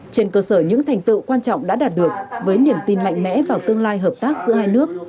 trên cơ sở những thành tựu quan trọng đã đạt được với niềm tin mạnh mẽ vào tương lai hợp tác giữa hai nước